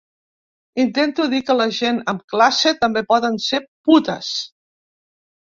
Intento dir que la gent amb classe també poden ser putes.